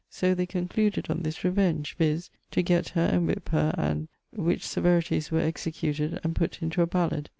So they concluded on this revenge, viz. to gett her and whippe her and ...; which severities were executed and put into a ballad.